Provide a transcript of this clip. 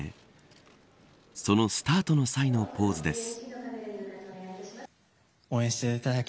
そのスタートの際のポーズです。